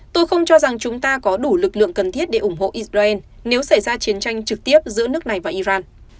tôi không cho rằng chúng ta có đủ lực lượng cần thiết để ủng hộ israel nếu xảy ra chiến tranh trực tiếp giữa nước này và iran